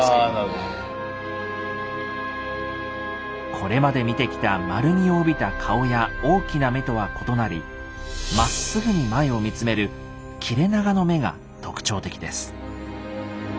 これまで見てきた丸みを帯びた顔や大きな目とは異なりまっすぐに前を見つめる切れ長の目が特徴的です。